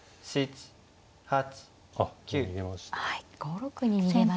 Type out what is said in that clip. ５六に逃げました。